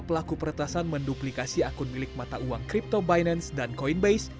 pelaku peretasan menduplikasi akun milik mata uang crypto binance dan coin base